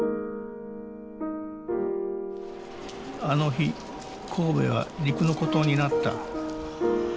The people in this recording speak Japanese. あの日神戸は陸の孤島になった。